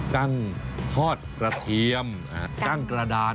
กั้งทอดกระเทียมกั้งกระดาน